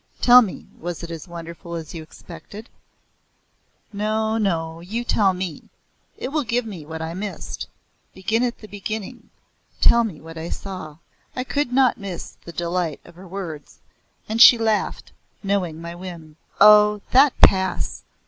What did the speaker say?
"Tell me was it as wonderful as you expected?" "No, no, you tell me! It will give me what I missed. Begin at the beginning. Tell me what I saw." I could not miss the delight of her words, and she laughed, knowing my whim. "Oh, that Pass!